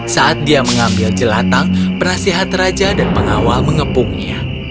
saat dia mengambil jelatang penasehat raja dan pengawal mengepungnya